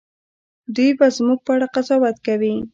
دوی به زموږ په اړه قضاوت کوي.